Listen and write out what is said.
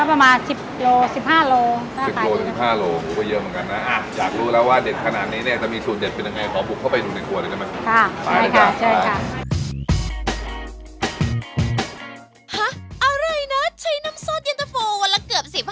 ก็ประมาณ๑๐โล๑๕โล